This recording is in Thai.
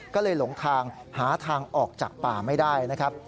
ก็เลยหลงทางหาทางออกจากป่าไม่ได้นะครับ